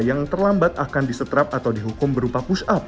yang terlambat akan diseterap atau dihukum berupa push up